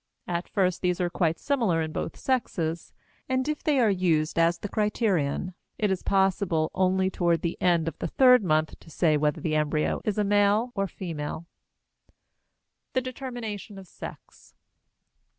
At first these are quite similar in both sexes; and, if they are used as the criterion, it is possible only toward the end of the third month to say whether the embryo is a male or female. THE DETERMINATION OF SEX.